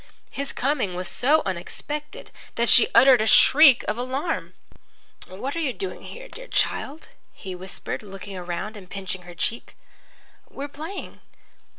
His coming was so unexpected that she uttered a shriek of alarm. "What are you doing here, dear child?" he whispered, looking around and pinching her cheek. "We're playing."